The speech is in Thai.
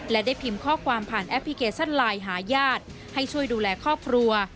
และได้พิมพ์ข้อความผ่านแอปพลิเคชันไลน์หาญาติให้ช่วยดูแลครอบครัว